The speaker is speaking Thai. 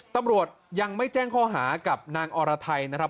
ตำรวจยังไม่แจ้งข้อหากับนางอรไทยนะครับ